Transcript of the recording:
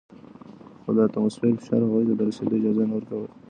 خو د اتموسفیر فشار هغوی ته د رسیدو اجازه نه ورکوي.